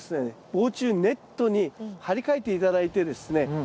防虫ネットに張り替えて頂いてですね